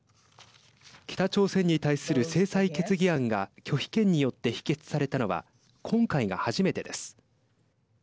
北朝鮮に対する制裁決議案が拒否権によって否決されたのは今回が初めてです。